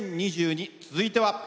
続いては。